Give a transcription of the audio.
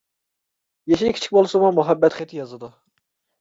يېشى كىچىك بولسىمۇ مۇھەببەت خېتى يازىدۇ.